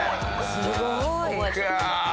すごい！